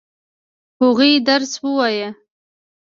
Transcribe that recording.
هغوی درس ووايه؟